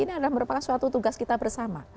ini adalah merupakan suatu tugas kita bersama